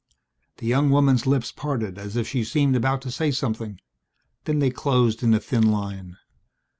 The young woman's lips parted as if she seemed about to say something. Then they closed in a thin line.